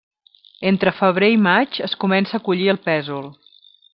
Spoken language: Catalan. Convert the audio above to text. Entre febrer i maig es comença a collir el pèsol.